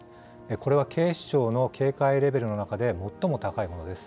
これは警視庁の警戒レベルの中で最も高いものです。